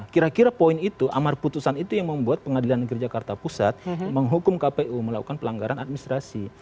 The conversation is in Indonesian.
kira kira poin itu amar putusan itu yang membuat pengadilan negeri jakarta pusat menghukum kpu melakukan pelanggaran administrasi